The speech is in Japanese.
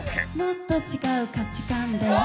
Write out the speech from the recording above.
「もっと違う価値観で」